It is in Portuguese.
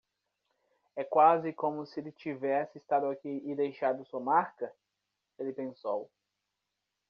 É quase como se ele tivesse estado aqui e deixado sua marca? ele pensou.